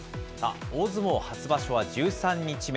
大相撲初場所は１３日目。